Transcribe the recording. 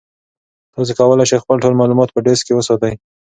تاسي کولای شئ خپل ټول معلومات په ډیسک کې وساتئ.